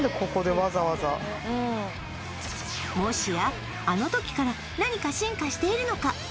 うんもしやあの時から何か進化しているのか？